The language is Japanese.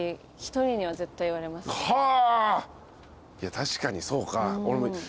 確かにそうか。